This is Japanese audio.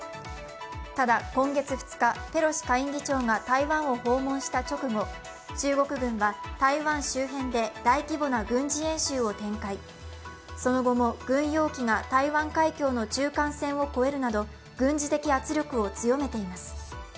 ただ、今月２日、ペロシ下院議長が台湾を訪問した直後、中国軍は台湾周辺で大規模な軍事演習を展開、その後も軍用機が台湾海峡の中間線を越えるなど軍事的圧力を強めています。